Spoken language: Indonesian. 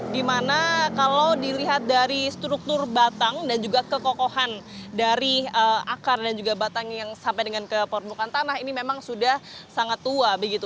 dimana kalau dilihat dari struktur batang dan juga kekokohan dari akar dan juga batang yang sampai dengan ke permukaan tanah ini memang sudah sangat tua begitu